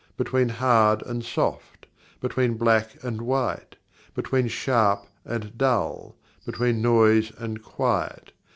Between "Hard and Soft"? Between "Black and White"? Between "Sharp and Dull"? Between "Noise and Quiet"?